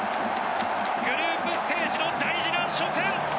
グループステージの大事な初戦。